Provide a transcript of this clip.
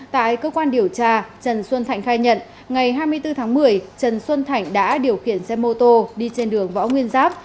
tại cơ quan điều tra trần xuân thạnh khai nhận ngày hai mươi bốn tháng một mươi trần xuân thạnh đã điều khiển xe mô tô đi trên đường võ nguyên giáp